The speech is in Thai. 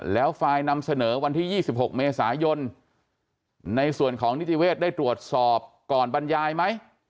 แล้วไฟล์นำเสนอวันที่๒๖เมษายนในส่วนของนิติเวศได้ตรวจสอบก่อนบรรยายไหม